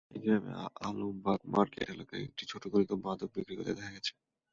একইভাবে আলমবাগ মার্কেট এলাকার একটি ছোট গলিতেও মাদক বিক্রি করতে দেখা গেছে।